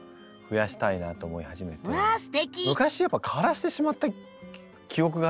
昔やっぱ枯らしてしまった記憶があったので。